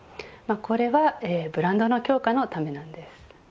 これはブランドの強化のためなんです。